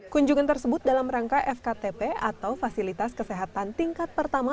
kunjungan tersebut dalam rangka fktp atau fasilitas kesehatan tingkat pertama